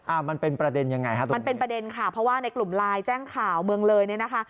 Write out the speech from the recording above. มันเป็นประเด็นยังไงฮะตัวมันเป็นประเด็นค่ะเพราะว่าในกลุ่มไลน์แจ้งข่าวเมืองเลยเนี่ยนะคะ